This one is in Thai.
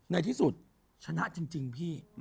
ในที่สุดชนะจริงพี่